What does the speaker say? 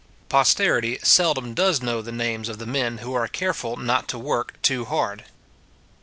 Posterity seldom does know the names of the men who are careful not to work too hard.